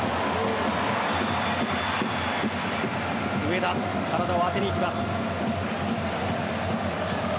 上田体を当てに行きます。